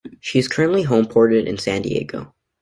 She is currently homeported in San Diego.